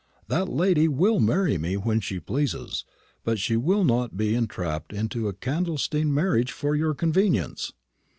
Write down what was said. That lady will marry me when she pleases, but she shall not be entrapped into a clandestine marriage for your convenience."